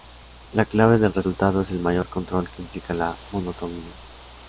La clave del resultado es el mayor control que implica la monotonía.